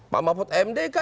pak mahfud md kan